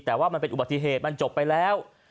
แต่ว่ามันเป็นอุบัติเหตุมันจบไปแล้ว